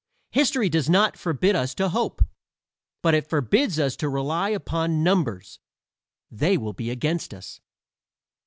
History does not forbid us to hope. But it forbids us to rely upon numbers; they will be against us.